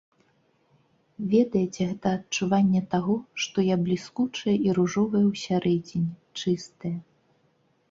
Ведаеце, гэта адчуванне таго, што я бліскучая і ружовая ўсярэдзіне, чыстая.